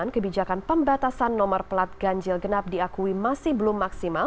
kebijakan pembatasan nomor pelat ganjil genap diakui masih belum maksimal